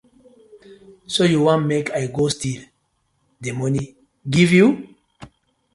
So you want mek I go still di money giv you?